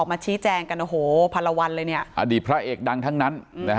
มาชี้แจงกันโอ้โหพันละวันเลยเนี่ยอดีตพระเอกดังทั้งนั้น